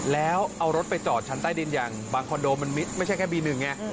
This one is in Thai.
แล้วเอารถไปจอดชั้นใต้ดินอย่างบางคอนโดมันไม่ใช่แค่บีหนึ่งไง